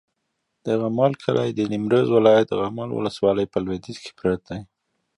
د غمال کلی د نیمروز ولایت، غمال ولسوالي په لویدیځ کې پروت دی.